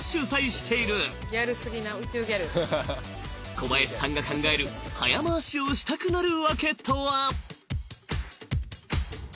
小林さんが考える「早回しをしたくなるワケ」とは？